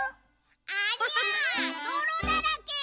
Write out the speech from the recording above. ありゃどろだらけ！